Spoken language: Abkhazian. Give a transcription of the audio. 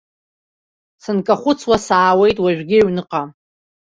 Сынкахәыцуа саауеит уажәгьы аҩныҟа.